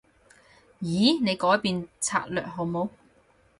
咦？你改變策略好冇？